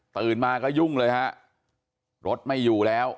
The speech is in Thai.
ตื่นมาก็ยุ่งเลยฮะรถไม่อยู่แล้ว